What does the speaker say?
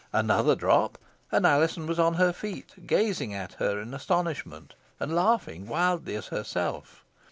Another drop, and Alizon was on her feet, gazing at her in astonishment, and laughing wildly as herself.